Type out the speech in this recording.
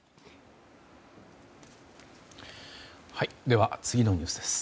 では、次のニュースです。